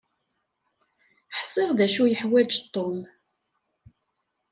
Ḥṣiɣ d acu yeḥwaǧ Tom.